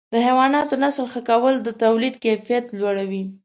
د حیواناتو نسل ښه کول د تولید کیفیت لوړوي.